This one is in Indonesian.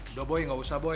udah boy gak usah boy